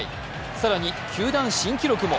更に球団新記録も。